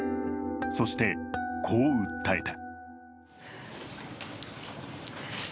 そして、こう訴えた。